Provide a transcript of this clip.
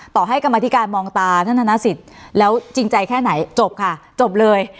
ต่อให้กรรมธิการมองตาท่านธนสิทธิ์แล้วจริงใจแค่ไหนจบค่ะจบเลย